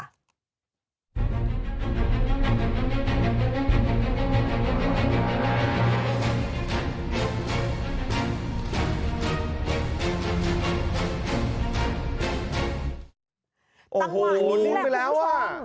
ตั้งหวะนี่แล้วว่ะ